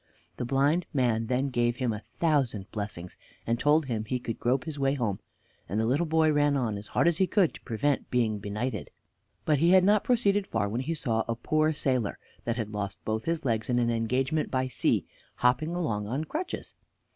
The blind man then gave him a thousand blessings, and told him he could grope his way home, and the little boy ran on as hard as he could to prevent being benighted. But he had not proceeded far when he saw a poor sailor, that had lost both his legs in an engagement by sea, hopping along upon crutches.